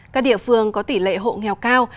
các địa phương có tỷ lệ hộ nghèo cao